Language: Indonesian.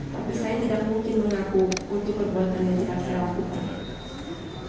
tapi saya tidak mungkin mengaku untuk perbuatan terjadi akan saya lakukan